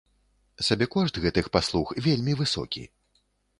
Сабекошт гэтых паслуг вельмі высокі.